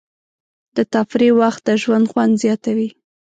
د تفریح وخت د ژوند خوند زیاتوي.